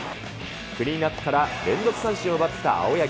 クリーンナップから連続三振を奪った青柳。